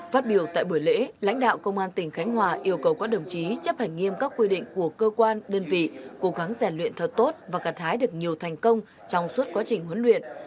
phát biểu tại buổi lễ lãnh đạo công an tỉnh khánh hòa yêu cầu các đồng chí chấp hành nghiêm các quy định của cơ quan đơn vị cố gắng giải luyện thật tốt và gặt hái được nhiều thành công trong suốt quá trình huấn luyện